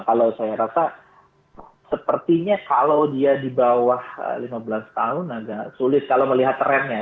kalau saya rasa sepertinya kalau dia di bawah lima belas tahun agak sulit kalau melihat trennya